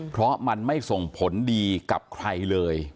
เพราะมันไม่ส่งผลดีกับใครเลย